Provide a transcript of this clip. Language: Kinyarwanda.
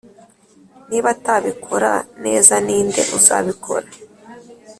niba atabikora, neza, ninde uzabikora?